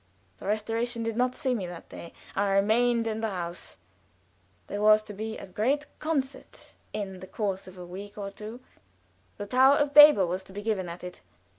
The restauration did not see me that day; I remained in the house. There was to be a great concert in the course of a week or two; the "Tower of Babel" was to be given at it.